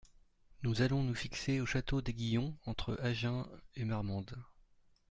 Nous allons nous fixer au château d'Aiguillon, entre Agen et Marmande.